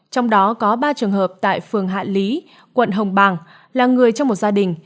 trong đó có ba trường hợp tại phường hạ lý quận hồng bàng là người trong một gia đình